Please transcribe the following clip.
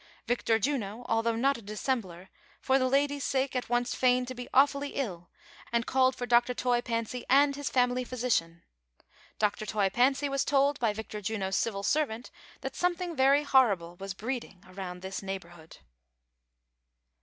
Yictor Juno, although not a dissembler, for the lady's sake, at once feigned to be awfully ill, and called for Dr. Toy Fancy and his family physician. Dr. Toy Fancy was told by Yictor Juno's civil servant that something very horrible was breeding around this neighborhood.